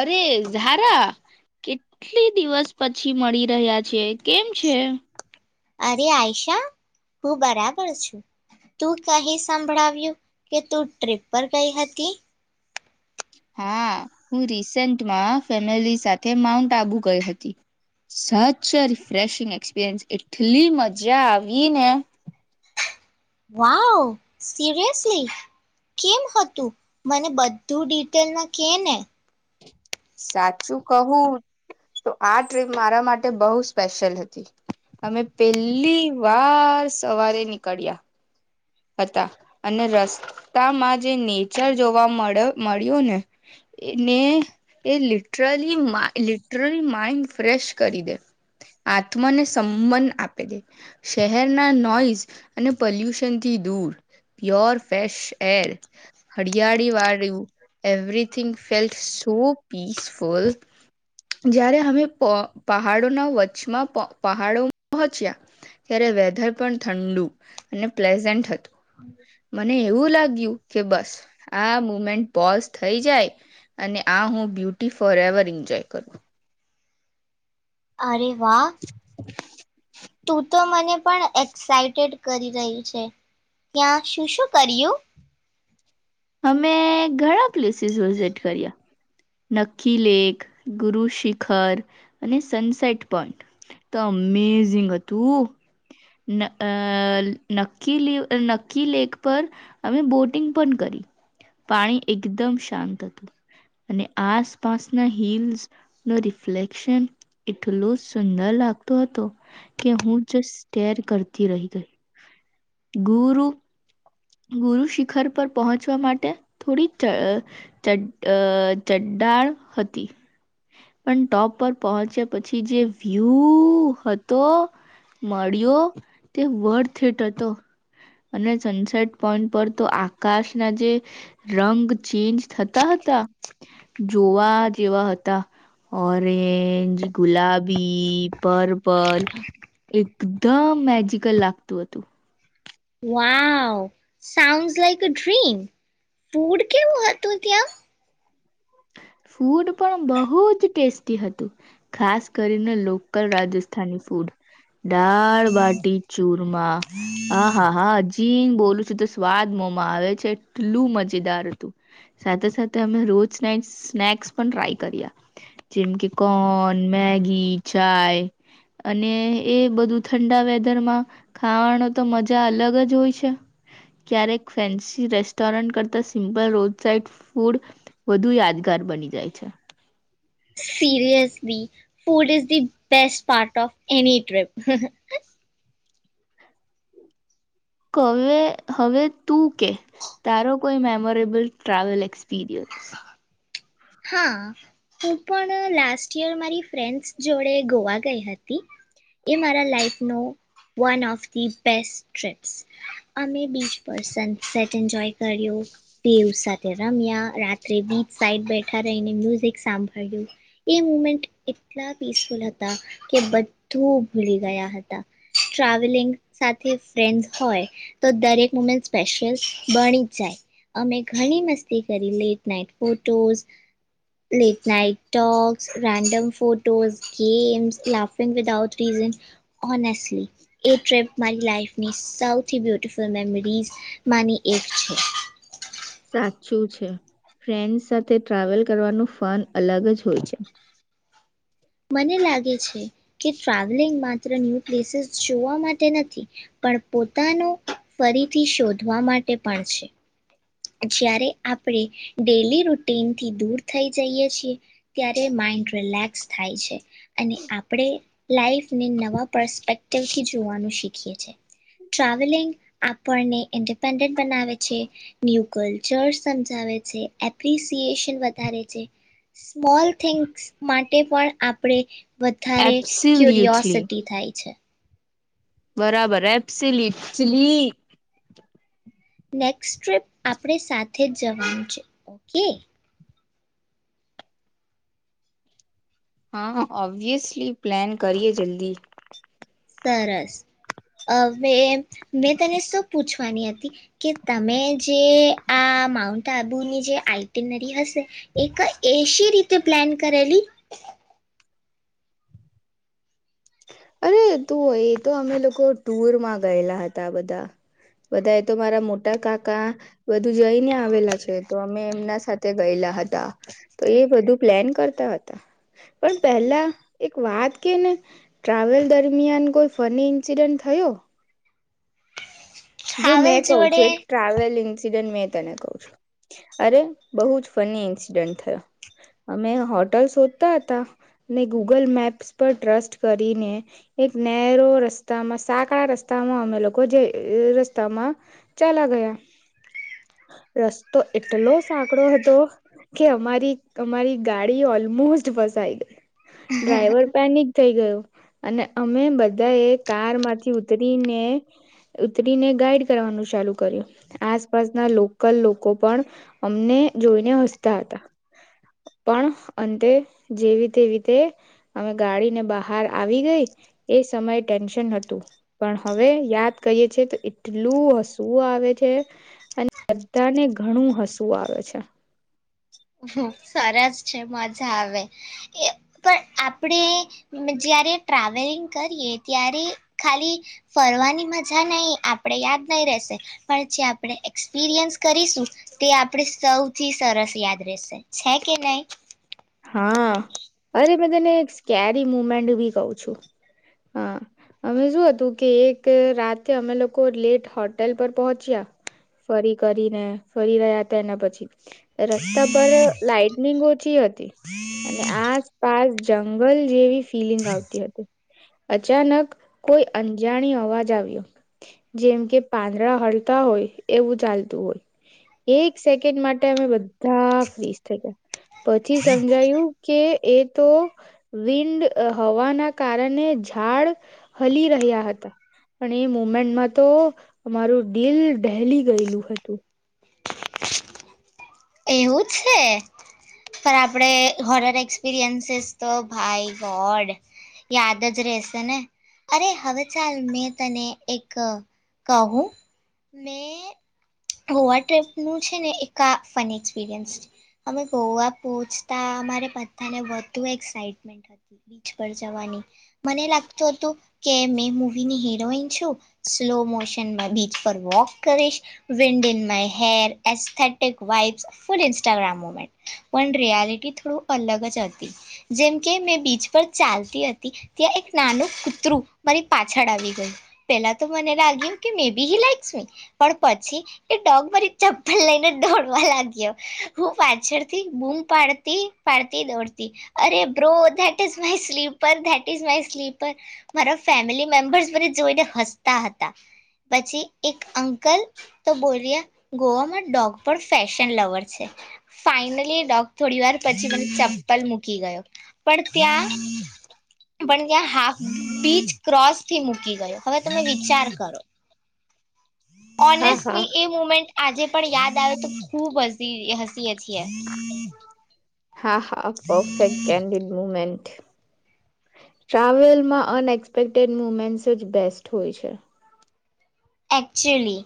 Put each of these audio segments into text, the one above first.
અરે ઝારા કેટલી દિવસ પછી મળી રહ્યા છે કેમ છે અરે આઈશા હું બરાબર છું તું કહી સંભળાવ્યું કે તું ટ્રીપ પર ગઈ હતી હા હું રિસેન્ટમાં ફેમિલી સાથે માઉન્ટ આબુ ગઈ હતી સચ રિફેશિંગ એક્સપિરિયન્સ એટલી મજા આવી ને. વાવ સિરિયસલી કેમ હતું મને બધું ડિટેલમાં કે ને. સાચું કહું તો આ ટ્રીપ મારા માટે બહ સ્પેશિયલ હતી અમે પેલી વાર સવારે નીકળ્યા. અને રસ્તામાં જે નેચર જોવા મળ મળ્યો ને એને એ લિટરલી લિટરલી માઈન્ડ ફ્રેશ કરી દે આત્માને સંબન આપી દે શહેરના નોઈઝ અને પોલ્યુશન પ્યોર ફેશ એર હરિયાળી વાળું એવરીથીિંગ ફેલ સો પીસફુલ જ્યારે અમે પહાડોના વચચમાં પહાડો પહોંચ્યા ત્યારે વેધર પણ ઠંડુ અને પ્લસ મને એવું લાગ્યું કે બસ આ મુમેન્ટ પોઝ થઈ જાય અને આ હું બ્યુટી ફોર એવર એન્જોય કરું. અ. વાહ. [inaudible] તો મને પણ એક્સાઈટેડ કરી રહ્યું છે ત્યાં શું શું કર્યું? અમે ઘણા પ્લેસીસ વિઝિટ કર્યા. નક્કી લેક ગુરુ શિખર અને સનસેટ પોઈન્ટ તો અમેઝિંગ હતું ન નક્કી લેક પર અમે બોટિંગ પણ કરી પાણી એકદમ શાંત હતું અને આસપાસના હીલ્સ નો રિફ્લેક્શન એટલો સુંદર લાગતો હતો કે હું જ ેર કરતી રહી ગઈ ગુરુ ગુરુ શિખર પર પહોંચવા માટે થોડી ચડડાણ હતી પણ ટોપ પર પહોંચ્યા પછી જે વ્યૂ હતો મળ્યો તે વર્ થટ હતો અને સનસેટ પોઈન્ટ પર તો આકાશ ના જે રંગ ચેન્જ થતા હતા જોવા જેવા હતા ઓરેન્જ ગુલાબી પર્પલ એકદમ મેજિકલ લાગતું હતું. Wow sound like a dream food કેવું હતું ત્યાં? ફૂડ પણ બહુ જ ટેસ્ટી હતું ખાસ કરીને લોકલ રાજસ્થાની ફૂડ દાળબાટી ચૂરમા આહા હા અજીક બોલું છું તો સ્વાદ મોમાં આવે છે એટલું મજેદાર હતું સાથે સાથે અમે રોજ સ્નેક્સ પણ ટ્રાય કર્યા જેમ કે કોન મેગી ચાય અને એ બધું ઠંડા વેધરમાં ખાવાનો તો મજા અલગ જ હોય છે ક્યારેક ફેન્સી રેસ્ટોરન્ટ કરતા સિમ્પલ રોજ સાઇડ ફૂડ વધુ યાદગાર બની જાય છે. Seriously food is the best part of any trip. કવે હવે તું કે તારો કોઈ મેમોરેબલ ટ્રાવેલ એક્સપિરિયન્સ. હા હું પણ લાસ્ટ યર મારી ફ્રેન્ડ્સ જોડે ગોવા ગઈ હતી એ મારા લાઈફનો one of the best trips અમે બીચ પર સનસેટ જોય કર્યો પ ઉ સાથેત યા રાત્રે બીચ સાઈડ ઠા રેયને મ્યુઝિક સાંભળ્યું એ મુમેન્ટ એટલા પીસફુલ હતા કે બધું ભૂલી ગયા હતા ટ્રાવેલિંગ સાથે ફ્રેન્ડ્સ હોય તો દરેક મુમેન્ટ સ્પેશિયલ બણી જ જાય અમે ઘણી મસ્તી કરેલી એક night photos late night talks random photos games laughing without reason honestly એ ટ્રીપ મારી લાઈફની સૌથી બ્યુટિફુલ મેમરીઝ માની એક છે. સાચું છે ફ્રેન્ડ્સ સાથે ટ્રાવેલ કરવાનું ફન અલગ જ હોય છે. મને લાગે છે. કી ટ્રાવેલિંગ માં ન્યૂ પ્લેસીસ જોવા માટે નથી પણ પોતાનો ફરીથી શોધવા માટે પણ છે. જ્યારે આપણે ડેલી રૂટીનથી દૂર થઈ જઈએ છીએ ત્યારે માઈન્ડ રિલેક્સ થાય છે અને આપણે લાઈફને નવા પરસ્પેક્ટિવથી જોવાનું શીખીએ છીએ ટ્રાવેલિંગ આપણને ઇન્ડિપેન્ડન્ટ બનાવે છે. ન્યૂ કલ્ચર્સ સમજાવે છે એપ્રિસિએશન વધારે છે સ્મોલ થિંગ્સ માટે પણ આપણે વધારે એબ્સોલ્યુટલી ક્યુરિયોસિટી થાય છે. બરાબર એપ્સીલી લી. નેક્સ્ટ ટ્રીપ આપણે સાથે જ જવાનું છે ઓકે. હા ઓબ્વિયસલી પ્લાન કરીએ જલ્દી. તરસ અવે મેં તને શું પૂછવાની હતી કે તમે જે આ માઉન્ટ આબુની જે આઈટનરી હશે એ કઈ એસી રીતે પ્લેન કરેલી? અરે તું એ તો અમે લોકો ટુર માં ગયેલા હતા બધા બધા એ તો મારા મોટા કાકા બધું જઈને આવેલા છે તો અમે એમના સાથે ગયેલા હતા તો એ બધું પ્લેન કરતા હતા પણ પેલા એક વાત કે ને. ટ્રાવેલ દરમિયાન કોઈ ફની ઇન્સિડન્ટ થયો? જો મેં ટ્રાવેલ કહ જોડે છું એક ટ્રાવેલ કસીડન્ટ મેં તને કઉ છું અરે બઉ જ ફની એક્સીડન્ટ થયો અમે હોટલ શોધતા હતા ગૂગલ ને મેપ્સ પર ટ્રેસ્ટ કરીને એક નેરો રસ્તામાં સાકડા રસ્તામાં અમે લોકો જઈ રસ રસ્તામાં ચલા ગયા રસ્તો એટલો સાકડો હતો કે અમારી અમારી ગાડી ઓલમોસ્ટ ફસાઈ ગઈ. ડ્રાઈવર પેનિક થઈ ગયો. અને અમે બધા એ કારમાંથી ઉતરીને ઉતરી ઉતરીને ગાઈડ કરવાનું ચાલુ કર્યું આસપાસના લોકલ લોકો પણ અમને જોઈને હસતા હતા પણ અંતે જેવીતેવીતે અમે ગાડીને બહાર આવી ગઈ એ સમયે ટેન્શન હતું પણ હવે યાદ કરીએ છે એટલું હસવું આવે છે અને બધાને ઘણું હસવું આવે છે. સરસ છે મજા આવે એ પણ આપણે જયારે ટ્રાવેલિંગ કરીએ ત્યારે ખાલી ફરવાની મજા નહી આપણે યાદ નહી રશે પણ જે આપણે એક્સપિરિયન્સ કરીશું તે આપણે સૌથી સરસ યાદ રહેશે છે કે નહી. હા અરે મેં તને એક સ્કેરી મુમેન્ટ બી કઉ છું હા અમે શું હતું કે એક રાતે અમે લોકો લેટ હોટેલ પર પહોંચ્યા ફરી કરીને ફરી રહ્યા હતા એના પછી રસ્તા પર લાાઈટનિંગ ઓછી હતી. અને આસપાસ જંગલ જેવી ફિલિંગ આવતી હતી અચાનક કોઈ અંજાણી અવાજ આવ્યો જેમ કે પાંદડા હળતા હોય એવું ચાલતું હોય એક સેકન્ડ માટે અમે બધા ફસ થ પછી સમજાયું કે એ તો વિન્ડ હવાના કારણે ઝાડ હલી રહ્યા હતા પણ એ મુમેન્ટમાં તો અમારું દિલ ડહેલી ગયેલું હતું. એવું છે પણ આપણે હોરર એક્સપિરિયન્સીસ તો ભાઈ ગોડ યાદ જ રહેશે ને અરે હવે ચાલ મેં તને એક કહું મેં હોવા ટ્રીપનું છે ને એકા ફની એક્સપિરિયન્સ છે અમે ગોવા પહોંચતા અમારે બધાને વધુ એક્સાાઈટમેન્ટ હતી બીચ પર જવાની મને લાગતું હતું કે મેં મૂવીની હિરોઈન છું સ્લો મોશનમાં બીચ પર વોક કરીશ વિન્ડ ઇનમાં હેર એથે ફ ઇન્સ્ટાગ્રામ મુમેન્ટ પણ રિયાલિટી થોડું અલગ જ હતી જેમકે મેં બીચ પર ચાલતી હતી ત્યાં એક નાનું કૂતરું મારી પાછળ આવી ગયું પેલા તો મને લાગ્યું એ કે મેબી લસ મી પણ પછી એ ડોગ મારી ચપ્પલ લઈને દોડવા લાગ્યો હું પાછળથી બૂમ પાડતી પાડતી દોડતી અરે bro that is my slipper that is my slipper મારા ફેમિલી મેમ્બર્સ મને જોઈને હસતા હતા પછી એક અંકલ તો બોલ્યા ગોઆમાં ડોક્ટર પણ ફેશન લવર છે ફાઈનલી ડોગ થોડી વાર પછી મને ચપ્પલ મૂકી ગયો પણ ત્યાં પણ ત્યાં હાફ બીચ ક્રોસ થી મૂકી ગયો હવે તમે વિચાર કરો. હા હા ઓનેસ્ટલી એ મુમેન્ટ આજે પણ યાદ આવે તો ખુબ હસી હસીએ છીએ. હા હા પફેક્ટ કેન્ડડ મુમેન્ટ. ટ્રાવેલમાં અનએક્સપેક્ટેડ મુમેન્ટસ જ બેસ્ટ હોય છે. એકક્ચુલી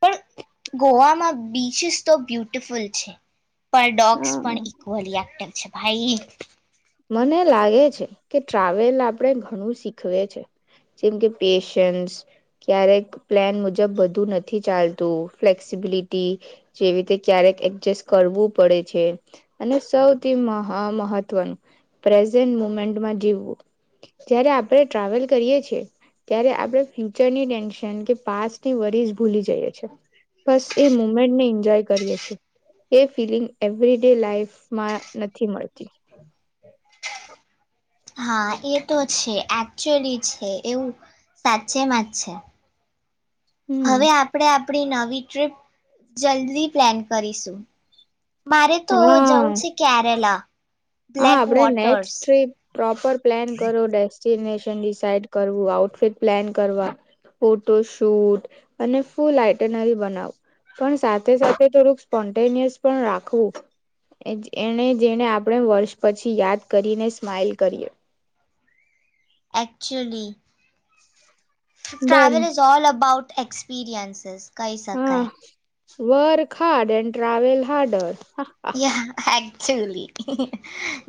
પણ ગોવામાં બીચિસ તો બ્યુટિફુલ છે. પર ડોગ્સ હા પણ ઇક્વલી એક્ટિવ છે. ભાઈ મને લાગે છે કે ટ્રાવેલ આપણે ઘણું શીખવે છે જેમ કે પેશન્સ ક્યારેક પ્લાન મુજબ બધું નથી ચાલતું ફ્લેક્સિબિલિટી જેવી રીતે ક્યારેક એડજસ્ટ કરવું પડે છે અને સૌથી મહા મહત્વનું પ્રેઝન્ટ મુમેન્ટમાં જીવવું જ્યારે આપણે ટ્રાવેલ કરીએ છેએ ત્યારે આપણે ફ્યુચરની ટેન્શન કે પાની વરીઝ ભૂલી જઈએ છે બસ એ મુમેન્ટને એન્જોય કરીએ છ છેએ એ ફિલિંગ એવરી ડે લાઈફમાં નથી મળતી. હા એ તો છે એકચુઅલી છે એવું સાચેમાં જ છે. હવે હમ આપડે આપ આપણી નવી ટ્રીપ જલ્દી પ્લેન કરીશું. મારે તો હા જવું છે કેરેલા. હા બ્લેક આપડે next waters trip proper plan કરો દેસ. ડેસ્ટીનેસન ડિસાઈડ કરવું, આઉટફિટ પ્લાન કરવા, ફોટો શૂટ અને ફૂ આઇટનરી બનાવું પણ સાથે સાથે થોડુંક સ્પોટેનિયસ પણ રાખવું એને જેને આપણે વર્ષ પછી યાદ કરીને સ્માઈલ કરીએ. Actually. Done travel is all about experiences. કહી શકાય. Work hard and travel harder. યા અક્ટયુઅલી.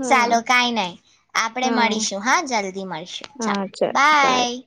હા ચાલો કાંઈ નહી આપણેે હા મળીશું હા જલ્દી મળીશું હા ચાલો ચાલ બાય.